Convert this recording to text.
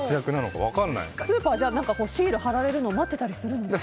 スーパーではシール貼られるの待ってたりするんですか？